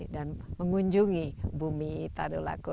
dan mengunjungi bumi tadulako